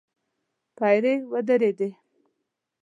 پيرې ودرېدې.